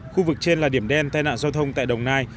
khu vực trên là điểm đen tai nạn giao thông tại đồng nai